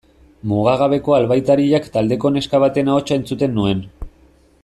Mugagabeko Albaitariak taldeko neska baten ahotsa entzuten nuen.